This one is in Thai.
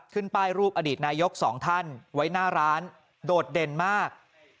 ขึ้นป้ายรูปอดีตนายกสองท่านไว้หน้าร้านโดดเด่นมาก